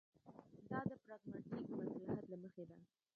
دا د پراګماټیک مصلحت له مخې ده.